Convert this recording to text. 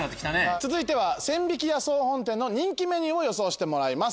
続いては千疋屋総本店の人気メニューを予想してもらいます。